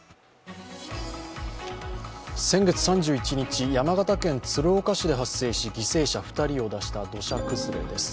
先月３１日、山形県鶴岡市で発生し犠牲者２人を出した土砂崩れです。